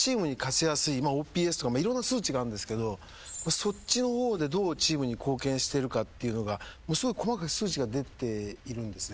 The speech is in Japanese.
まあＯＰＳとかいろんな数値があるんですけどそっちの方でどうチームに貢献してるかっていうのがすごい細かく数値が出ているんですね。